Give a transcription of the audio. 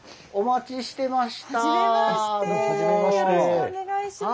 よろしくお願いします。